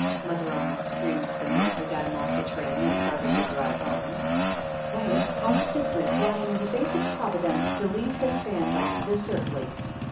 mother almost screamed the minute we got him off the train and started to drive home. "Why, it's positively flying in the face of Providence to leave his band off this early!"